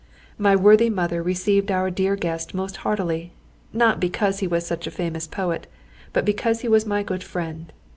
My worthy mother received our dear guest most heartily, not because he was such a famous poet, but because he was my good friend.